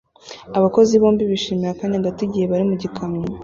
Abakozi bombi bishimira akanya gato igihe bari mu gikamyo